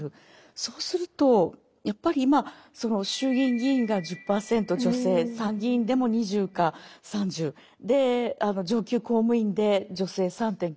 そうするとやっぱり今衆議院議員が１０％女性参議院でも２０か３０上級公務員で女性３．９％